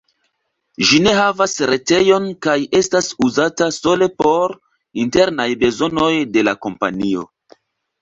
Ĝi ne havas retejon kaj estas uzata sole por internaj bezonoj de la kompanio.